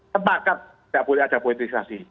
sepakat nggak boleh ada poetisasi